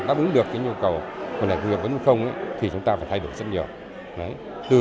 đáp ứng được nhu cầu của hệ thống dục nghiệp bốn thì chúng ta phải thay đổi rất nhiều